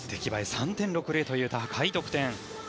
３．６０という高い得点。